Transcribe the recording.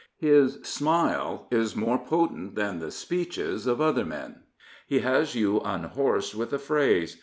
His smile is more potent than the speeches of other men. He has you unhorsed with a phrase.